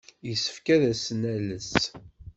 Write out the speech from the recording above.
Yessefk ad as-nales.